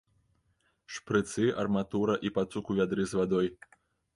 Шпрыцы, арматура і пацук у вядры з вадой.